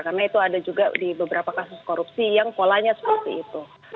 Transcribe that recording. karena itu ada juga di beberapa kasus korupsi yang polanya seperti itu